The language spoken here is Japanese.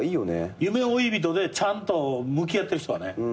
夢追い人でちゃんと向き合ってる人はね。